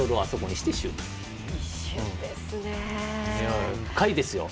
一瞬ですね。